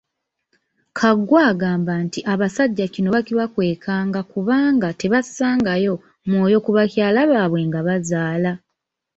Kaggwa agamba nti abasajja kino baakibakwekanga kubanga tebassangayo mwoyo ku bakyala baabwe nga bazaala.